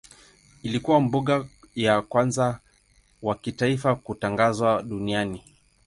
Ilikuwa mbuga ya kwanza wa kitaifa kutangazwa duniani.